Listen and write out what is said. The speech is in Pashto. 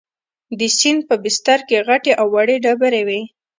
د سیند په بستر کې غټې او وړې ډبرې وې.